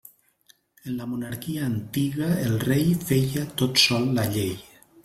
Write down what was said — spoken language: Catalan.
En la monarquia antiga, el rei feia tot sol la llei.